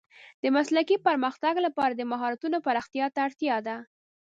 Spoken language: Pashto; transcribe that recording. د مسلکي پرمختګ لپاره د مهارتونو پراختیا ته اړتیا ده.